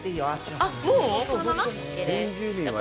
このまま？